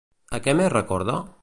A què més recorda?